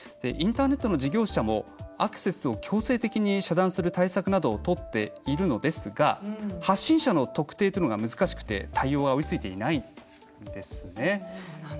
インターネットの事業者もアクセスを強制的に遮断する対策などをとっているのですが発信者の特定というのが難しくて対応は追いついていないんですね。